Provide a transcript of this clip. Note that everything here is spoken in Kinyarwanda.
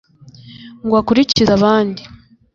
ngo akulikize abandi,